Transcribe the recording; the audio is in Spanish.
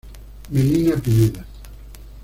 Melina Pineda.